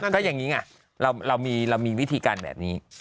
ก็อย่างนี้ไงเรามีวิธีการแบบนี้